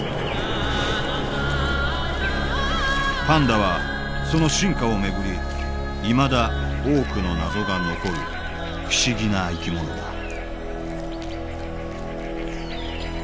パンダはその進化を巡りいまだ多くの謎が残る不思議な生き物だ